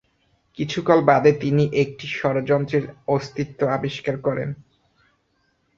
কিছুকাল বাদে তিনি একটি ষড়যন্ত্রের অস্তিত্ব আবিষ্কার করেন।